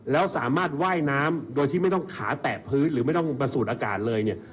แล้วสามารถว่ายน้ำโดยที่ไม่ต้องขาแตะพื้นหรือไม่ต้องประสูดอากาศเลยเนี่ย